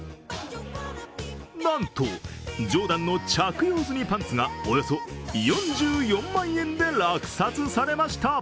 なんとジョーダンの着用済みパンツがおよそ４４万円で落札されました。